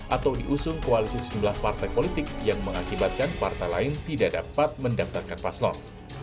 atau diusung koalisi sejumlah partai politik yang mengakibatkan partai lain tidak dapat mendaftarkan paslon